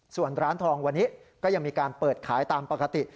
ส่วนร้านทองวันนี้ก็ยังมีการเปิดขายตามปกติ